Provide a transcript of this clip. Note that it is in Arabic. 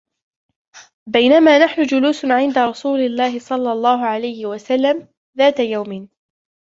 بَينَما نَحْنُ جُلُوسٌ عِنْدَ رَسُولِ اللهِ صَلَّى اللهُ عَلَيْهِ وَسَلَّمَ ذاتَ يَوْمٍ